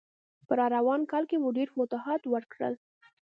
په راروان کال کې مو ډېر فتوحات وکړل.